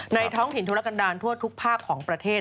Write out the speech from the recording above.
ท้องถิ่นธุรกันดาลทั่วทุกภาคของประเทศ